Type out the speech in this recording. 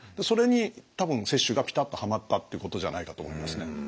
それに多分雪舟がピタッとハマったっていうことじゃないかと思いますね。